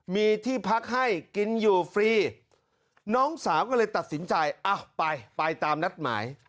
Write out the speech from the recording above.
มีที่พักให้กินอยู่ฟรีน้องสาวก็เลยตัดสินใจอ้าวไปไปตามนัดหมาย